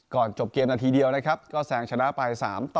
ก่อนจบเกมนาทีเดียวก็แสงชนะปลาย๓๒